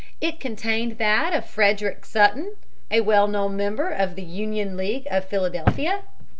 It contained that of Frederick Sutton, a well known member of the Union League of Philadelphia.